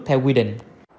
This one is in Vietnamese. theo quy định